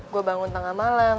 gue bangun tengah malam